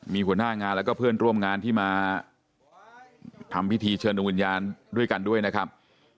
มีหัวหน้างานแล้วก็เพื่อนร่วมงานที่มาทำพิธีเชิญดวงวิญญาณด้วยกันด้วยนะครับ